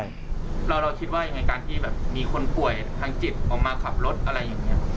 ใช่เราคิดว่ายังไงการที่แบบมีคนป่วยทางจิตออกมาขับรถอะไรอย่างนี้